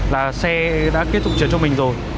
là xe đã kết thúc chuyển cho mình rồi